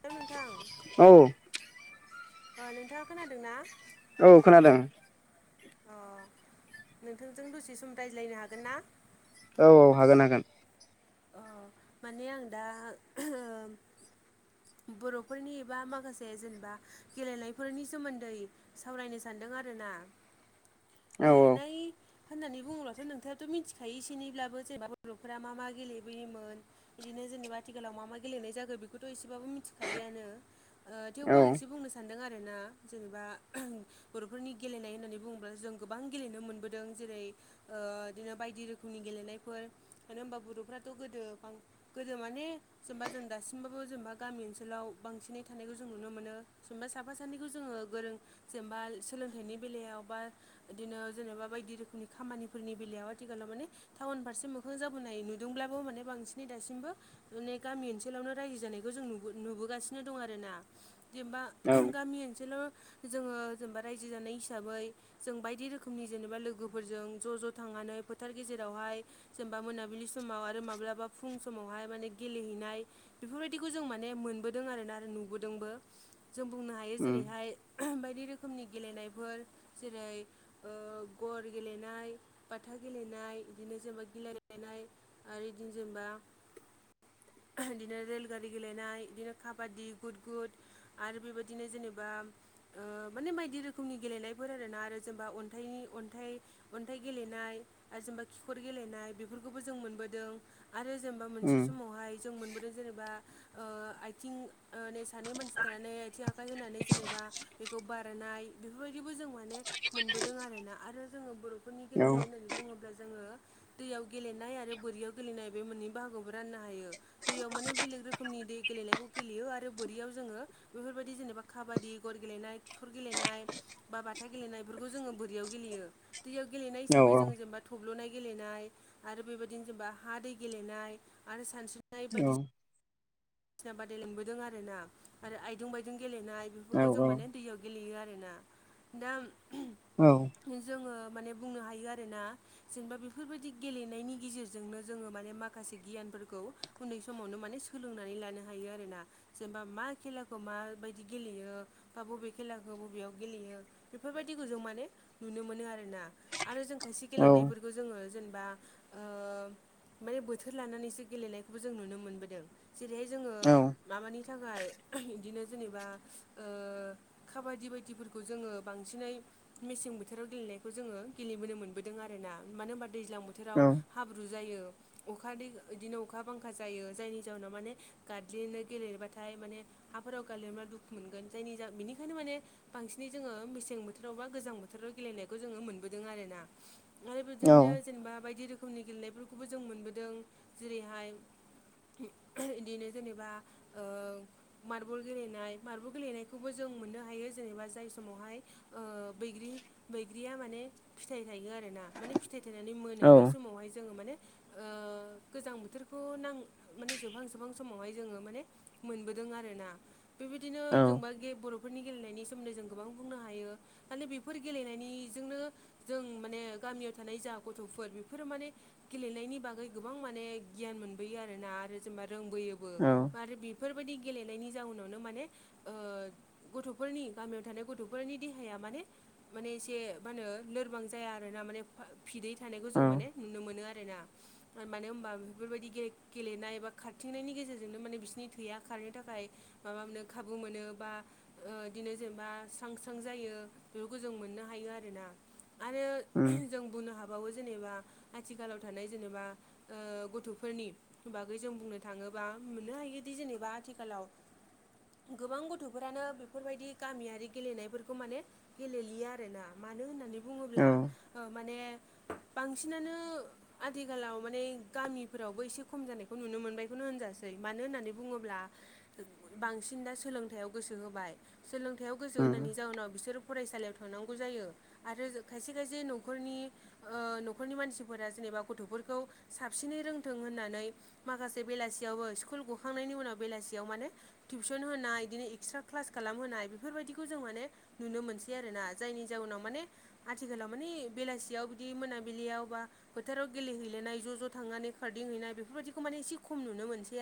हेल' नोंथां औ अ नोंथाङा खोनादों ना औ खोनादों अ नोंथांजों दसे सम रायज्लायनो हागोन ना औ-औ हागोन हागोन अ माने आं दा बर'फोरनि एबा माखासे जेनेबा गेलेनायफोरनि सोमोन्दै सावरायनो सानदों आरोना औ गेलेनाय होननानै बुङोब्लाथ' नोंथाङाथ' मिथिखायो एसेनैब्लाबो जेनेबा बर'फोरा मा मा गेलेबोयोमोन बिदिनो जेनेबा आथिखालाव मा मा गेलेनाय जागो बेखौथ' एसे बाबो मिथिखायोआनो औ थेवबो आं एसे बुंनो सान्दों आरोना जेनेबा बर'फोरनि गेलेनाय होननानै बुङोब्ला जों गोबां गेलेनो मोनबोदों जेरै ओ बिदिनो बायदि रोखोमनि गेलेनायफोर मानो होनबा बर'फ्राथ' गोदो बां गोदो माने जेनबा जों दासिमबाबो जेनेबा गामि ओनसोलाव बांसिनै थानायखौ जों नुनो मोनो जेनबा साफा सानैखौ जोङो गोरों जेनेबा सोलोंथाइनि बेलायाव बा बिदिनो जेनेबा बायदि रोखोमनि खामानिफोरनि बेलायाव आथिखालाव माने टाउन फारसे मोखां जाबोनाय नुदोंब्लाबो माने बांसिनै दासिमबो माने गामि ओनसोलावनो रायजो जानाय बेखौ जों नुबोगासिनो दं आरोना जेनेबा औ गामि ओनसोलाव जोङो जेनेबा रायजो जानाय हिसाबै जों बायदि रोखोमनि जेनेबा लोगोफोरजों ज' ज' थांनानै फोथार गेजेरावहाय जेनेबा मोनाबिलि समाव आरो माब्लाबा फुं समावहाय माने गेलेहैनाय बेफोरबायदि बिखौ जों माने मोनबोदों आरोना आरो नुबोदोंबो जों बुंनो हायो उम जेरैहाय बायदि रोखोमनि गेलेनायफोर जेरै ओ गर गेलेनाय, बाथा गेलेनाय बिदिनो जेनेबा गिला गेलेनाय आरो इदिनो जेनेबा बिदिनो रेल गारि गेलेनाय इदिनो काबादि, गुद गुद आरो बेबायदिनो जेनेबा ओं माने बायदि रोखोमनि गेलेनायफोर आरोना आरो जेनेबा अन्थाइनि अन्थाइ अन्थाइ गेलेनाय आरो जेनबा खिखर गेलेनाय बेफोरखौबो जों मोनबोदों आरो जेनेबा मोनसे उम समावहाय जों मोनबोदों जेनेबा ओ आइथिं ओ सानै मानसि थानानै आथिं आखाइ होनानै जेनेबा बेखौ बारनाय बेफोरबायदिबो जों माने मोनबोदों आरोना आरो जोङो बर' फोरनि औ गेलेनाय होननानै बुङोब्ला जोङो दैयाव गेलेनाय आरो बोरियाव गेलेनाय बे मोननै बाहागोआवबो राननो हायो दैयाव माने बेलेग रोखोम रोखोमनि दै गेलेनायखौ गेलेयो आरो बोरियाव जोङो बेफोरबायदि जेनेबा काबादि, गर गेलेनाय, खिखुर गेलेनाय बा बाथा गेलेनाय बेफोरखौ जोङो बोरियाव गेलेयो दैयाव गेलेनाय औ हिसाबै जोङो जेनेबा थब्ल'नाय गेलेनाय आरो बेबायदिनो जेनेबा हा दै गेलेनाय आरो सानस्रिनाय औ बायदिसिना बायसिना बादायलायबोदों आरोना आरो आइदं बायदुं गेलेनाय औ बेफोरखौ औ जों माने दैयाव गेलेयो आरोना दा औ जोङो माने बुंनो हायो आरोना जेनेबा बेफोरबायदि गेलेनायनि गेजेरजोंनो जोङो माने माखासे गियानफोरखौ उन्दै समावनो माने सोलोंनानै लानो हायो आरोना जेनेबा मा खेलाखौ माबायदि गेलेयो बा बबे खेलाखौ बबेयाव गेलेयो बेफोरबायदिखौ जों माने नुनो मोनो आरोना आरो जों खायसे औ गेलेनायफोरखौ जोङो जेनेबा ओ माने बोथोर लानानैसो गेलेनायखौबो जों नुनो मोनबोदों जेरैहाय जोङो उम माबानि थाखाय इदिनो जेनेबा ओ खाबादि बायदिफोरखौ जोङो बांसिनै मेसें बोथोराव गेलेनायखौ जोङो गेलेबोनो मोनबोदों आरोना मानो होनबा दैज्लां बो थोराव औ उम हाब्रु जायो अखा बिदिनो अखा बांखा जायो जायनि जाउनाव माने गादलेनो गेलेबाथाय माने हाफोराव गालेनबा दुखु मोनगोन जायनि जा बेनिखायनो माने बांसिनै जोङो मेसें बोथोराव बा गोजां बोथोराव गेलेनायखौ जोङो मोनबोदों आरोना आरो औ बिदिनो जेनेबा बायदि रोखोमनि गेलेनायफोरखौबो जों मोनबोदों जेरैहाय इदिनो जेनेबा ओ मार्बल गेलेनाय मार्बल गेलेनायखौबो जों मोननो हायो जेनेबा जाय समावहाय ओ बैग्रि बैग्रिया माने फिथाइ थायो आरो ना माने फिथायथायनानै औ मोनो बै समावहाय जोङो माने ओ गोजां बोथोरखौ नां माने जोबहां जोबहां समावहाय जोङो माने मोनबोदों आरोना बेबायदिनो औ जोंब गे बर' फोरनि गेलेनायनि सोमोन्दै जों गोबां बुंनो हायो माने बेफोर गेलेनायनिजोंनो जों माने गामियाव थानाय जा गथ'फोर बेफोरो माने गेलेनायनि बागै गोबां माने गियान मोनबोयो आरोना आरो जेनेबा रोंबोयोबो बा औ आरो बि फोरबायदि गेलेनायनि जाउनावनो माने ओ गथ'फोरनि गामियाव थानाय गथ'फोरनि देहाया माने माने एसे मा होनो लोरबां जाया आरो ना माने फिदै थानायखौ जों औ माने नुनो मोनो आरो ना आरो मानो होनोमबा बेफोरबायदि गे लेनाय बा खारथिंनायनि गेजेरजोंनो माने बिसिनि थैया खारनो थाखाय माबा मोनो खाबु मोनो बा बिदिनो जेनेबा स्रां स्रां जायो बेफोरखौ जों मोननो हायो आरोना आरो जों बुंनो हाबावो जेनेबा आथिखालाव थानाय जेनेबा ओ गथ'फोरनि बागै जों बुंनो थाङोबा मोननो हायोदि जेनेबा आथिखालाव गोबां गथ'फोरानो बेफोरबायदि गामियारि गेलेनायफोरखौ माने गेलेयो आरोना मानो होननानै बुङोब्ला माने बांसिनानो आथिखालाव माने गामिफोरावबो एसे खम जानायखौ नुनो मोनबायखौनो होनजासै मानो होननानै बुङोब्ला बांसिन दा सोलोंथाइयाव गोसो होबाय सोलोंथाइयाव गोसो होनायनि जाउनाव बिसोर फरायसालियाव थानांगौ जायो आरो खायसे खायसे न'खरनि ओ न'खरनि मानसिफोरा जेनेबा गथ'फोरखौ साबसिनै रोंथों होनना नै माखासे बेलासियावबो स्कुल गुखांनायनि उनाव बेलासियाव माने टिउसन होनाय बिदिनो एक्सट्रा क्लास खालामहोनाय बेफोरबायदिखौ जों माने नुनो मोनसै आरो ना जायनि जाउनाव माने आथिखालाव माने बेलासियाव बिदि मोनाबिलियाव बा फोथाराव गेलेहैलेनाय ज' ज' थांनानै खारदिंहैनाय बे बेफोरबायदिखौ माने एसे खम नुनो मोनसै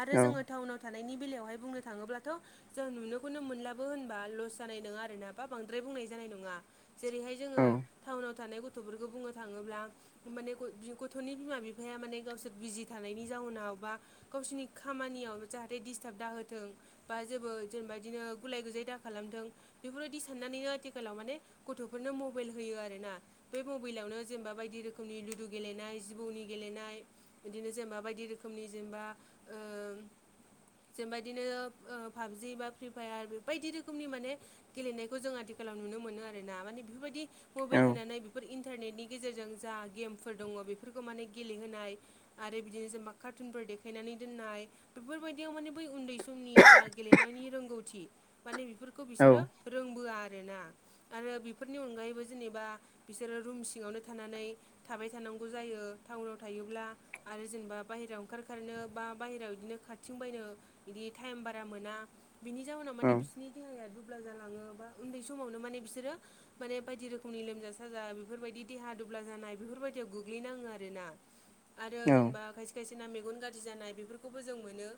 आरो जोङो टाउनाव थानायनि बेलायावहाय बुंनो थाङोब्लाथ' जों नुनोखौनो मोनलाबो होनबा लस जानाय नङा आरोना बा बांद्राय बुंनाय जानाय नङा जेरैहाय जोङो टाउनाव थानाय गथ'फोरखौ बुंनो थाङोब्ला माने गथ'नि बिमा बिफाया माने गावसोर बिजि थानायनि जााहोनाव बा गावसोरनि खामानियाव जाहाथे दिडिस्टार्ब दाहोथों बा जेबो जेनेबा बिदिनो गुलाय गुजाय दाखा खालामदों बेफोरबायदि साननानैनो आथिखालाव माने गथ'फोरनो मबाइल होयो आरो ना बे मबाइलावनो जेनेबा बायदि रोखोमनि लुदु गेलेनाय जिबौनि गेलेनाय बिदिनो जेनेबा बायदि रोखोमनि जेनेबा ओ जेनबा बिदिनो पाबजि बा फ्रि फायार बेबायदि रोखोमनि माने गेलेनायखौ जों आथिखालाव नुनो मोनो आरोना माने बेफोरबायदि मबाइल होनानै बेफोर इन्टारनेटनि गेजेरजों जा गेमफोर दङ बेफोरखौ माने गेलेहोनाय आरो बिदिनो जेनेबा कार्टुनफोर देखायनानै दोननाय बेफोरबायदियाव माने बै उन्दै समनि जा गेलेनायनि रोंगौथि माने बेफोरखौ बिसोरो रोंबोआ आरोना आरो बेफोरनि अनगायैबो जेनेबा बिसोरो रुम सिङावनो थानानै थाबाय थानांगौ जायो टाउनाव थायोब्ला आरो जेनेबा बाहहेरायाव ओंखार खारनो बा बाहेरायाव बिदिनो खाथिं बायनो बिदि टाइम बारा मोना बिनि जाउनाव माने बि सिनि देहाया दुब्ला जालाङो बा उन्दै समावनो माने बिसोरो माने बायदि रोखोमनि लोमजा साजा बेफोरबायदि देहा दुब्ला जानाय बेफोरबायदियाव गोग्लैनाङो आरोना आरो जेनेबा खायसे खायसे ना मेगन गाज्रि जानाय बेफोरखौबो जों मोनो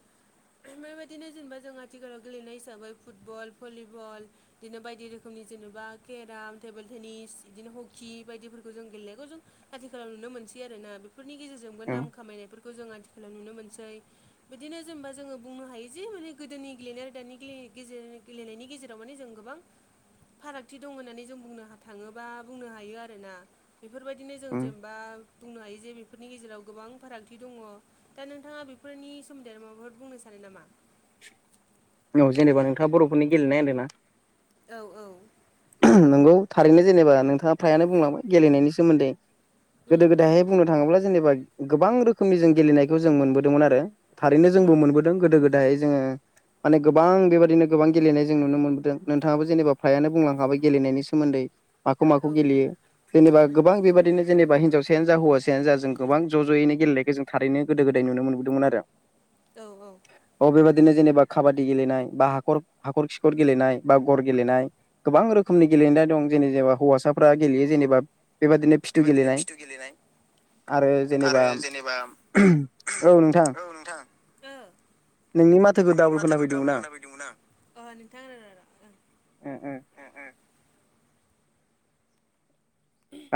बेबायाददिनो जेनेबा जों आथिखालाव गेलेनाय हिसाबै फुटबल भलिबल बिदिनो बायदि रोखोमनि जेनेबा केराम टेबोल टेनिस बिदिनो हकि बायदिफोरखौ जों गेलेनायखौ जों आथिखालाव नुनो मोनसै आरो ना बेफोरनि गेजेरजोंबो नाम खामायनायफोरखौ जों आथिखालाव नुनो मोनसै। बिदिनो जेनेबा जोङो बुंनो हायो जे माने गोदोनि गेलेनाय आरो दानि गे गेजेर गेलेनायनि गेजेराव माने जों गोबां। फारागथि दं होननानै जों बुंनो थाङोबा बुंनो हायो आरोना बेफोरबायदिनो जों उम जेनेबा बुंनो हायो जे फोरनि गेजेराव गोबां फारागथि दङ दा नोंथाङा बेफोरनि सोमोन्दै माबाफोर बुंनो सानो नामा। औ जेनेबा नोंथाङा बर'फोरनि गेलेनाय होनदों ना औ औ। नंगौ थारैनो जेनेबा नोंथाङा फ्रायानो बुंलांबाय गेलेनायनि सोमोन्दै उम गोदो गोदायहाय बुंनो थाङोब्ला जेनेबा गोबां रोखोमनि जों गेलेनायखौ जों मोनबोदोंमोन आरो थारैनो उम जोंबो मोनबो गोदो गोदाय जोङो माने गोबां बेबायाददिनो गोबां गेलेनाय जों नुनो मोनबोदों नोंथाङाबो जेनेबा फ्रायानो बुंलां गेलनायनि सोमोन्दै माखौ औ माखौ गेलेयो जेनेबा उम गोबां बेबायदिनो जेबा हाव सायानो जा हौवाासायानो जा जों गोबां ज' ज'नो गेलेनायखौ जों थारैनो गोदो गोदाय नुनोबोदोंमोन आरो औ औ। अ बेबायादिनो जेनेबा खाबादि गेलेनाय बा हाखर हाखर खिखर गेलेनाय बा गर गेलेनाय गोबां रोखोमनि गेलेनाय दं जेने जेनबा हौवासाफ्रा गेलेयो जेनेबा बेबदिनो बेबायदिनो फिथु गेलेनाय आरो जेनेबा औ नोंथां। नोंनि माथो नोंनि माथोखौ दाबल खोननाय बायदोंमोन आं नोंथां। ओ ओ।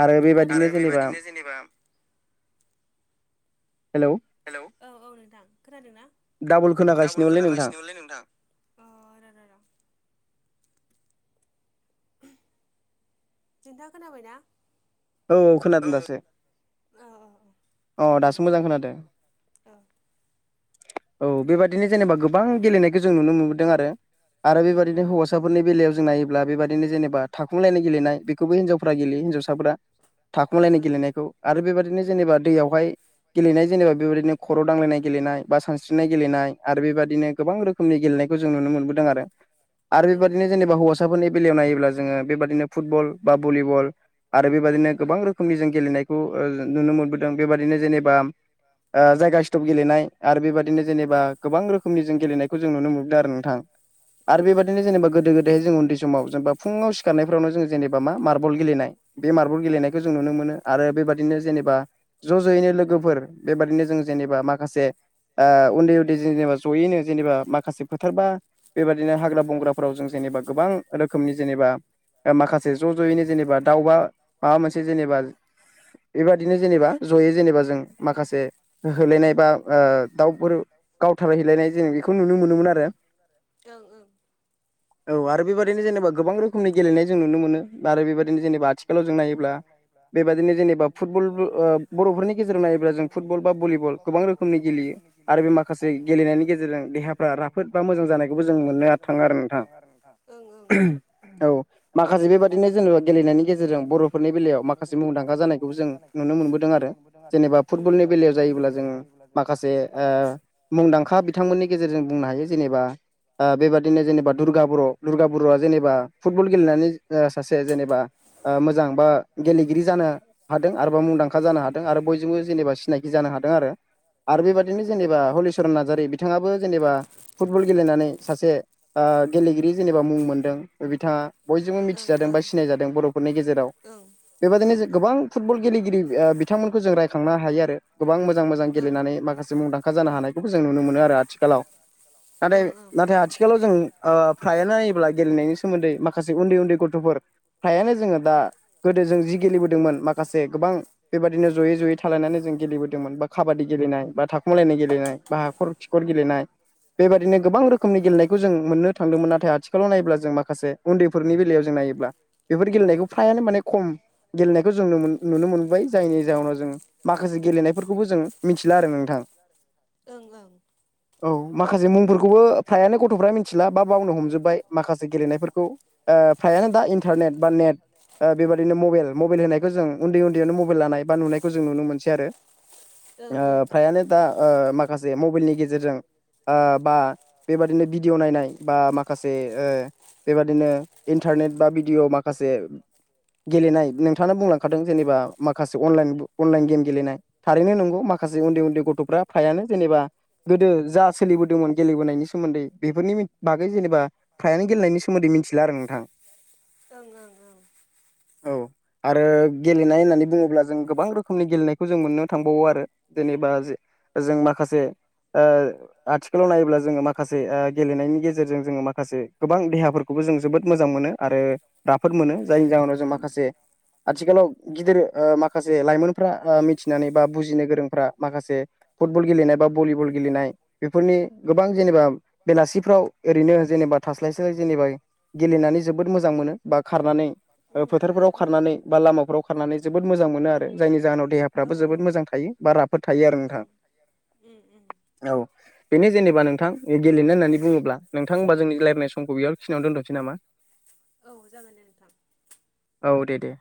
आरो ओं बेबादिनो जेनेबा हेलौ हेलौ औ औ नोंथां खोनादोंनाा डाबल डाबल खोनागासिनोमोनलै नोंथां खोनागासिनोमोनलै नोंथां। खन्था खोनाबायना। औ औ खोनादों दासो औ औ अ अ दे अ दासो बुंनोसै मोजां खोनादों औ। औ बेबायाददिनो जेनेबा गोबां गेलेनायखौ जों नुनो मोनबोदों आरो उम उम बेबायाददिनो हौवा। हिन्वसाफोरनि बेलायाव जों नायोब्ला बेबाददिनो जेनेबा थाखफुंलायनाय गेलेनाय बेखौबो हिनजावफोरा गेलयो हिन्जावसाफोरा। ओ थाखुमलायनाय ओ गेलेनायखौ आरो बेबायादिनो उम औ जेनेबा दैयावहाय। गेलेनाय जेनेबा बेबायदिनो खर' दांलायनाय गेलेनाय बा सानस्रिनाय गेलेनाय आरो बेबायदि। बिदिनो गोबां रोखोमनि गेलेनायखौ जों नुनो मोनबोदों आरो औ बेबायदिनो उम जेनेबा हौ साफोरनि बेलायाव नायोब्ला जोङो बेबाददिनो फुटबल बा भलिबल नो गोबां उम गेलनाय ना बेनो जेबा ज सिथप गेलेनाय आरो बेबदिनो जेनेब गोबां रोखोमनि जों गेलेनायखौ जों नुनो मोनदों आरो नोंथां। औ उम ओं आरो बेबाददिनो जेनबा गोदो-गोदाय जेरैह जों उैन्दै समाव जेनेबा फुाव सिखारनायाव जों जेनेबा मा मारबल गेलेनाय बेारबल गेलेनायखौ जों जों नुनो मोनो आरो बेबादिनो जेनेबा। ज' ज'यैनो लोगोफोर बेबादिनो जों जेनेबा माखासे। उन्दै उन्दै जेनेबा ज'यैनो जेनेबा माखासे फोथारबा बेबायदिनो हाग्रा बंग्राफोराव जों जेनेबा गोबां रोखोमनि जेनेबा माखासे ज' ज'यैनो जेनेबा दाउबा माबा मोनसे जेनेबा। बेबादिनो जेनेबा जयै जेनेबा जों माखासे होलायनाय बा दाउफोर गावथारायहैलायनाय जों बेखौ नुनो मोनोमोन आरो। औ आरो बेबायाददिनो जेनेबा गोबां रोखोमनि गेलेनाय जों नुनो मोनो आरो बेबायदिनो जेनेबा आथिख जबा आथिखालाव जों नायोबा बेाददिनो फुटबल जेनेबा ओ फुटबल गेजेराव बर'फोरनि नायोब्ला जों गेजेराव नायोब फुटबल बा जुटबल भलिबल ब भलिबल रोखोमनि गोबां गेलेयो रोखोमनि आरो गेलेयो बे माखासे आरो बे माखासे गेलेनायनि गेजेरजों गेलेनायनि देहाफ्रा गेजेरजों राफोद बा देहाफ्रा राफोद बा जानायखौबो मोजां जानायखौबो जों थाङो मोननो आरो। नोंथां थाङो आरो नोंथाङा औ औ माखासे बेबादिनो माखासे जेनेबा बेबाददिनो गेलेनायनि जेनेबा गेजेरजों गेलेनायनि बर'फोरनि गेजेरजों बेलायाव बर'फोरनि माखासे बेलायाव मुंदांखा माखासे जानायखौबो मुंदांखा जों जानायखौ नुनो जों मोनबोदों नुनो आरो मोनबोदों आरो। फुटबलनि जेनेबा बेलायाव फुटबलनि जायोब्ला जों बेलायाव जायोब्ला जोङो माखासे ओ माखासे मुंदांखा बिथांमोननि गेजेरजों बुंनो हायो जेनेबा ओ बेबादिनो जेनेबा दुर्गा बर' दुर्गा बर'आ जेनेबा फुटबल गेलेनानै सासे जेनेबा मोजां बा गेलेगिरि जानो हादों आरोबा मुंदांखा जानो हादों आरो बयजोंबो जेनेबा सिनायखि जानो हादों आरो औ आरो औ ओं बेबायदिनो जेनेबा हलि सरन नार्जारि बिथाङाबो जेनेबा फुटबल गेलेनानै सासे गेलेगिरि जेनेबा मुं मोनदों बिथाङा बयजोंबो ओं मिथिजादों बा ओं सिनायादों बर' फोरनि गेजेराव ओं बेबादिनो ओं जों गोबां फुटबल गेलेगिरि बिथांमोनखौ जों रायखांनो हायो आरो गोबां मोजां मोजां ओं गेलेनानै माखासे मुंदांखा जानो हानायखौबो जों नुनो मोनो आरो आथिखालाव नाथाय ओं नाथाय आथिखालाव जों फ्रायानो नायोब्ला गेलेनायनि सोमोन्दै माखासे उन्दै उन्दै गथ'फोर फ्रायानो जोङो दा गोदो जों जि गेलेबोदोंमोन माखासे गोबां बेबायदिनो जयै जयै थालायनानै जों गेलेबोदोंमोन बा काबादि गेलेनाय बा था खोमालायनाय गेलेनाय बा हाखर खिखर गेलेनाय बेबादिनो गोबां रोखोमनि गेलेनायखौ जों मोननो थांदोंमोन नाथाय आथिखालाव नायोब्ला जों माखासे उन्दैफोरनि बेलायाव जों नायोब्ला बेफोर गेलेनायखौ फ्रायानो माने खम गेलेनायखौ जों नुनो मोनबाय जायनि जाहोनाव जों माखासे गेलेनायफोरखौबो जों मिथिला आरो नोंथां ओं ओं औ माखासे मुंफोरखौबो फ्रायानो गथ'फ्रा मिथिला बा बावनो हमजोब्बाय माखासे गेलेनायफोरखौ ओ फ्रायानो दा इन्टारनेट बा नेट दा बेबादिनो मबाइल मबाइल होनायखौ जों उन्दै उन्दैयावनो मबाइल लानाय बा नुनायखौ जों नुनो मोनसै आरो ओं ओ फ्रायानो दा ओ माखासे मबाइलनि गेजेरजों बा बेबादिनो भिडिअ नायनाय बा माखासे बेबादिनो इन्टारनेट बा भिडिअ माखासे गेलेनाय नोंथाङा बुंलांखादों जेनेबा माखासे अनलाइन अनलाइन गेम गेलेनाय थारैनो नंगौ माखासे उन्दै उन्दै गथ'फ्रा फ्रायानो जेनेबा गोदो जा सोलिबोदोंमोन गेलेबोनायनि सोमोन्दै बेफोरनि बागै जेनेबा फ्रायानो गेलेनायनि सोमोन्दै मिथिला आरो नोंथां ओं ओं ओं औ आरो गेलेनाय होननानै बुङोब्ला जों गोबां रोखोमनि गेलेनायखौ जों मोननो थांबावो आरो जेनेबा जों माखासे ओ आथिखालाव नायोब्ला जोङो माखासे गेलेनायनि गेजेरजों जोङो माखासे गोबां देहाफोर खौबो जों जोबोद मोजां मोनो आरो राफोद मोनो जायनि जाहोनाव जों माखासे आथिखालाव गिदिर ओ माखासे लाइमोनफ्रा ओ मिथिनानै बा बुजिनो गोरोंफ्रा माखासे फुटबल गेलेनाय बा भलिबल गेलेनाय बेफोरनि गोबां जेनेबा बेलासिफ्राव ओरैनो जेनेबा थास्लाय स्लाय जेनेबा गेलेनानै जोबोद मोजां मोनो बा खारनानै उम फोथारफोराव उम खारनानै बा लामाफोराव खारनानै जोबोद मोजां मोनो आरो जायनि जाहोनाव औ देहाफ्राबो जोबोद मोजां थायो बा राफोद थायो आरो ओं नोंथां उम उम औ बेनो जेनेबा नोंथां गेलेनो होननानै बुङोब्ला नोंथां होमबा जों रायलानाय समखौ बेयाव खिनियाव दोनथसै नामा औ जागोन दे नोंथां औ दे दे